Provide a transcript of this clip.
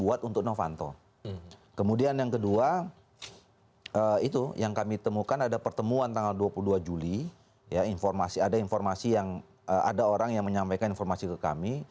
ada informasi yang ada orang yang menyampaikan informasi ke kami